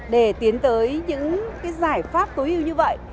để tiến tới những giải pháp tối ưu như vậy